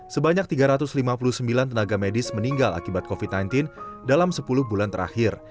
sebanyak tiga ratus lima puluh sembilan tenaga medis meninggal akibat covid sembilan belas dalam sepuluh bulan terakhir